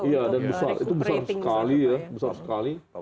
iya dan besar itu besar sekali ya besar sekali